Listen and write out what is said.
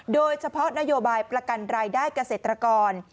โดยเฉพาะนโยบายประกันรายได้เกษตรกร